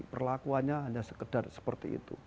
perlakuannya hanya sekedar seperti itu